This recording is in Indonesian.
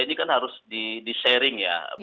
ini kan harus di sharing ya